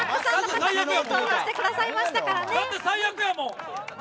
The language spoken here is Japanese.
だって最悪やもん。